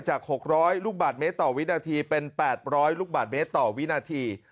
จาก๖๐๐ลูกบาทเมตรต่อวินาทีเป็น๘๐๐ลูกบาทเมตรต่อวินาที